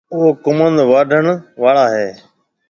او ڪموُند واڊهڻ آݪا هيَ۔